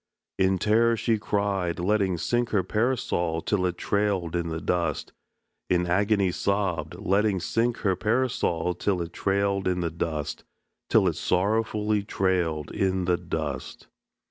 In terror she cried, letting sink her Parasol till it trailed in the dust; In agony sobbed, letting sink her Parasol till it trailed in the dust, Till it sorrowfully trailed in the dust.